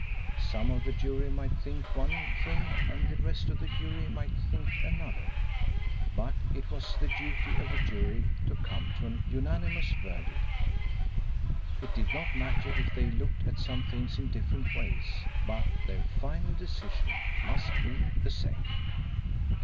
Some of the jury might think one thing and the rest of the jury might think another. But it was the duty of the jury to come to an unanimous verdict. It did not matter if they looked at some things in different ways, but their final decision must be the same.